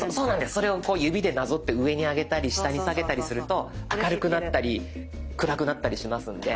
それを指でなぞって上に上げたり下に下げたりすると明るくなったり暗くなったりしますので。